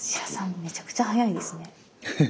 めちゃくちゃ速いですね。